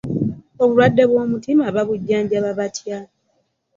Obulwadde bwo mutima babujanjaba batya?